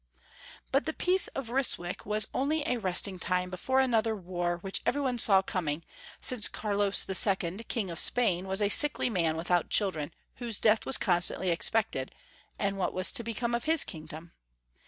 But the peace of Ryswick was only a resting time before another war which every one saw coming, since Carlos II., King of Spain, was a sickly man, without children, whose death was con stantly expected — and what was to become of his kingdom?